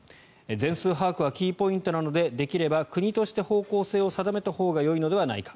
全数把握はキーポイントなのでできれば国として方向性を定めたほうがよいのではないか。